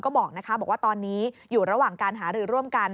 บอกว่าตอนนี้อยู่ระหว่างการหารือร่วมกัน